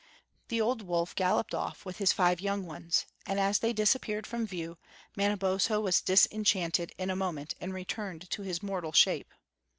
The old wolf galloped off with his five young ones; and as they disappeared from view, Manabozho was disenchanted in a moment and returned to his mortal shape.